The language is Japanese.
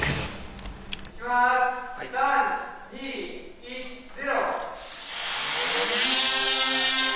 ３２１０！